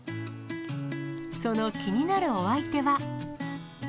その気になるお相手は。